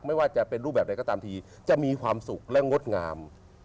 ไม่ว่าจะเป็นรูปแบบใดก็ตามทีจะมีความสุขและงดงาม